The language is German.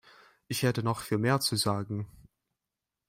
Ich hätte noch viel mehr zu sagen.